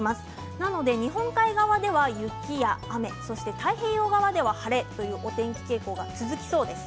なので日本海側では雪や雨そして太平洋側では晴れというお天気傾向が続きそうです。